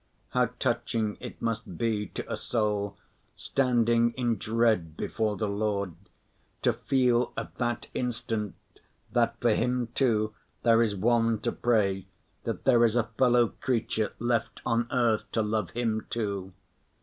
How touching it must be to a soul standing in dread before the Lord to feel at that instant that, for him too, there is one to pray, that there is a fellow creature left on earth to love him too!